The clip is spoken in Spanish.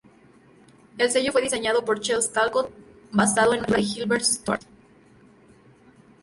El sello fue diseñado por Charles Talcott, basado en una pintura de Gilbert Stuart.